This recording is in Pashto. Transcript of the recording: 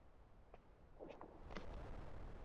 په موږ چې بدې ورځې راغلې خپلوانو راسره هېڅ لاس ونه کړ.